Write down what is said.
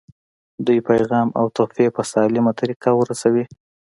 دوی پیغام او تحفې په سالمه طریقه ورسوي.